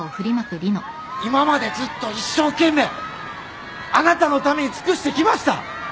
今までずっと一生懸命あなたのために尽くしてきました。